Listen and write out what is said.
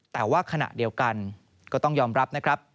แต่ว่าขณะเดียวกันก็ต้องยอมรับนะครับ